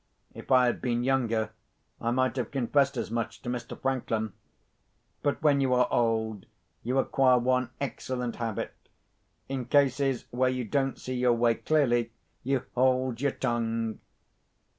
If I had been younger, I might have confessed as much to Mr. Franklin. But when you are old, you acquire one excellent habit. In cases where you don't see your way clearly, you hold your tongue.